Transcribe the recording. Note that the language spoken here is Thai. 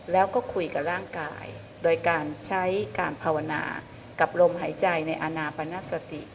แล้วก็คุยกับร่างกายโดยการใช้การภาวนากับลมหายใจในอนาปนสติ